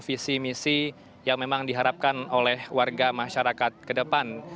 visi misi yang memang diharapkan oleh warga masyarakat ke depan